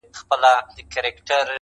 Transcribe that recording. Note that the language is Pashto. لوستونکي پرې بحثونه کوي ډېر ژر,